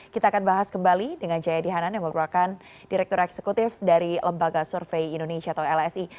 kita akan bahas kembali dengan jayadi hanan yang merupakan direktur eksekutif dari lembaga survei indonesia atau lsi